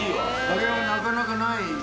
これはなかなかない。